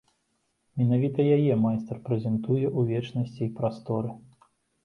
Менавіта яе майстар прэзентуе ў вечнасці і прасторы.